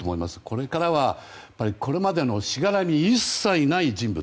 これからはこれまでのしがらみが一切ない人物。